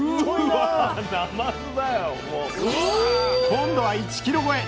今度は１ｋｇ超え。